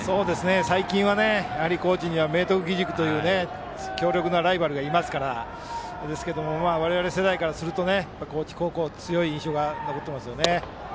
最近は、高知には明徳義塾という強力なライバルがいますが我々世代からすると高知高校は強い印象が残ってますね。